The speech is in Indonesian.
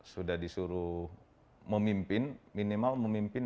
sudah disuruh memimpin minimal memimpin